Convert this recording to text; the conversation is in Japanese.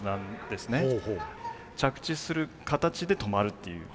着地する形で止まるっていう。